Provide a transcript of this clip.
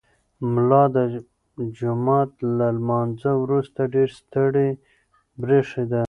ملا د جومات له لمانځه وروسته ډېر ستړی برېښېده.